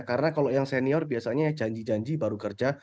karena kalau yang senior biasanya janji janji baru kerja